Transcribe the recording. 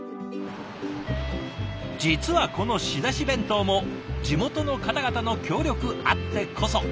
実はこの仕出し弁当も地元の方々の協力あってこそ。